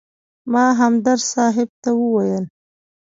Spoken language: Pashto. ما همدرد صاحب ته وویل.